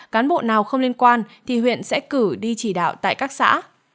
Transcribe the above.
cán bộ nào không liên quan thì huyện sẽ cử đi chỉ đạo tại các xã